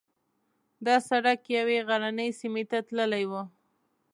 دا سړک یوې غرنۍ سیمې ته تللی و.